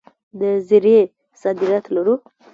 د زیرې صادرات لرو؟